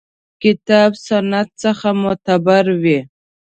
کتاب سنت څخه معتبر وي.